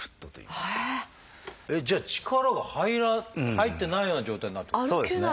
えっじゃあ力が入ってないような状態になるってことですか？